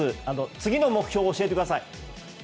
次の目標を教えてください。